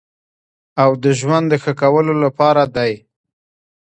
او د ژوند د ښه کولو لپاره دی.